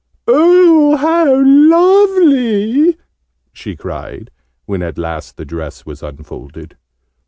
"Oh, how lovely!" she cried, when at last the dress was unfolded.